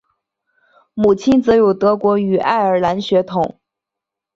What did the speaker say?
母亲则有德国与爱尔兰血统